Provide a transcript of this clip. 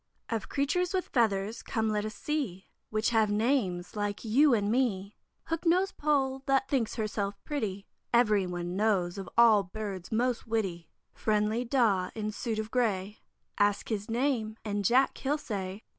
OF Creatures with Feathers, come let us see Which have names like you and me. Hook nosed Poll, that thinks herself pretty, Everyone knows, of all birds most witty. Friendly Daw, in suit of gray, Ask him his name, and 'Jack!' he'll say.